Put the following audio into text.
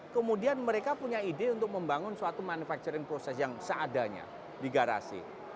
kemudian mereka punya ide untuk membangun suatu manufacturing proses yang seadanya di garasi